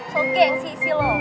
soke yang sisi lo